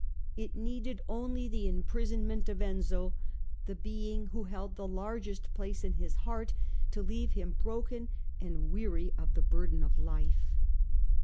It needed only the imprisonment of Enzio, the being who held the largest place in his heart, to leave him broken and weary of the burden of life.